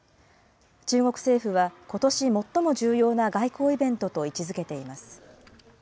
中国政府はことし、最も重要な外交イベントと位置づけています。